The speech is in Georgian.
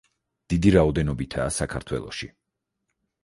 დიდი რაოდენობითაა საქართველოში.